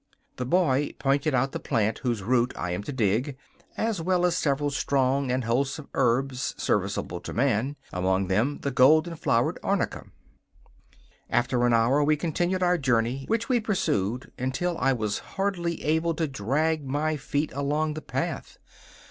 The boy pointed out the plant whose root I am to dig, as well as several strong and wholesome herbs serviceable to man, among them the golden flowered arnica. After an hour we continued our journey, which we pursued until I was hardly able to drag my feet along the path.